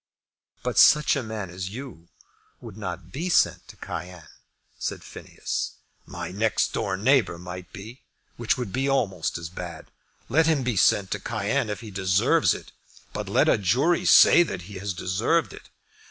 "But such a man as you would not be sent to Cayenne," said Phineas, "My next door neighbour might be, which would be almost as bad. Let him be sent to Cayenne if he deserves it, but let a jury say that he has deserved it.